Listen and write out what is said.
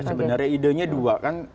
sebenarnya idenya dua kan